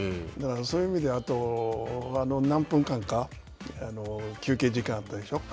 そういう意味であと何分間か休憩時間があったでしょう。